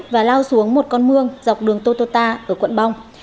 và lao xuống một con mương dọc đường totota ở quận bong